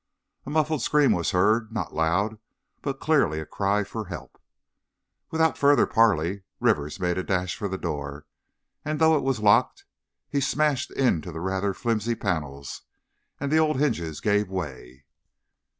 A muffled scream was heard, not loud, but clearly a cry for help. Without further parley, Rivers made a dash for the door and though it was locked, he smashed into the rather flimsy panel and the old hinges gave way.